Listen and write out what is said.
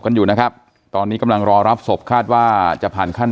ที่อยู่หมู่บ้านเดียวกันอยู่ใกล้กัน